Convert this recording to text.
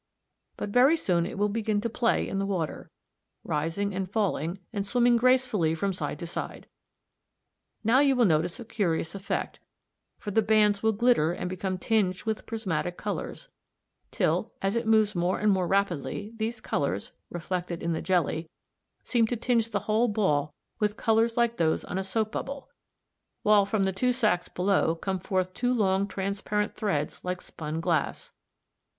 But very soon it will begin to play in the water, rising and falling, and swimming gracefully from side to side. Now you will notice a curious effect, for the bands will glitter and become tinged with prismatic colours, till, as it moves more and more rapidly these colours, reflected in the jelly, seem to tinge the whole ball with colours like those on a soap bubble, while from the two sacs below come forth two long transparent threads like spun glass.